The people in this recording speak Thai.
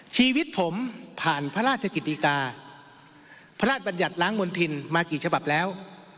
ชีวิตผมผ่านพระราชกิติกาพระราชบัญญัติล้างมณฑินมากี่ฉบับแล้ว